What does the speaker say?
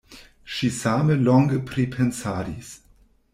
Ŝi same longe pripensadis.